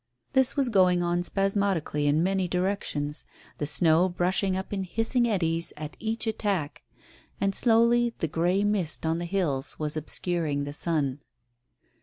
This was going on spasmodically in many directions, the snow brushing up in hissing eddies at each attack. And slowly the grey mist on the hills was obscuring the sun.